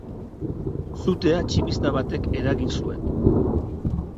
Sutea tximista batek eragin zuen.